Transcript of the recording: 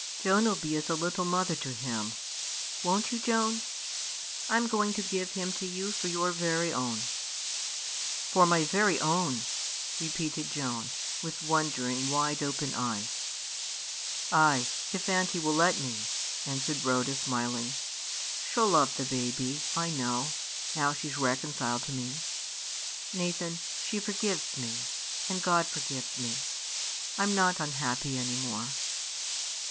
Joan 'ill be as a little mother to him, won't you, Joan? I'm going to give him to you for your very own." "For my very own!" repeated Joan, with wondering, wide open eyes. [Illustration: NATHAN CAME UPSTAIRS TO VISIT RHODA] "Ay! if aunty will let me," answered Rhoda, smiling; "she 'll love the baby, I know, now she's reconciled to me. Nathan, she forgives me, and God forgives me. I'm not unhappy any more."